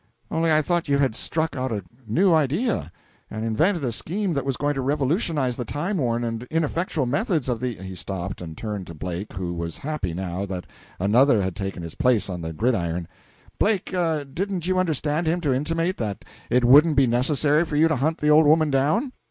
Only I thought you had struck out a new idea, and invented a scheme that was going to revolutionize the time worn and ineffectual methods of the " He stopped, and turned to Blake, who was happy now that another had taken his place on the gridiron: "Blake, didn't you understand him to intimate that it wouldn't be necessary for you to hunt the old woman down?"